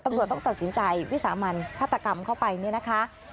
ตำรวจต้องตัดสินใจวิสามัญพัฒนาตรกรรมเข้าไปนะคะ